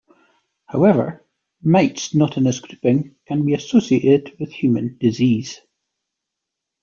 However, mites not in this grouping can be associated with human disease.